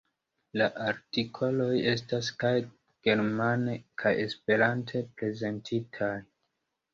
La artikoloj estas kaj germane kaj Esperante prezentitaj.